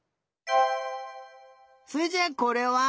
それじゃあこれは？